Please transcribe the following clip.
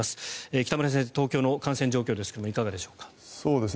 北村先生、東京の感染状況ですがいかがでしょうか。